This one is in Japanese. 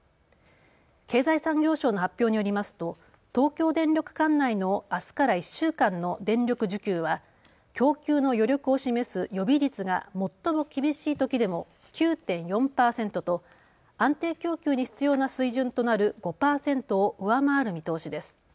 経済産業省の発表によりますと東京電力管内のあすから１週間の電力需給は供給の余力を示す予備率が最も厳しいときでも９．４％と安定供給に必要な水準となる５％を上回る見通しです。